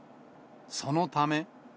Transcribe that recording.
そのため。